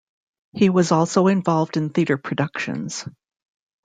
He was also involved in theater productions.